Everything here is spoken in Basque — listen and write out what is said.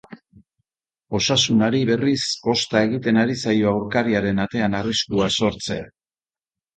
Osasunari, berriz, kosta egiten ari zaio aurkariaren atean arriskua sortzea.